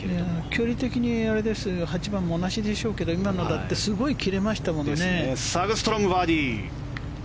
距離的に８番も同じでしょうけど今のだってすごい切れましたもんね。